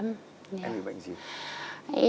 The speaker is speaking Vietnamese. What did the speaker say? em bị bệnh gì